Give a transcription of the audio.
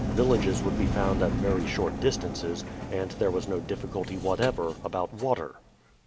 Villages would be found at very short distances, and there was no difficulty whatever about water.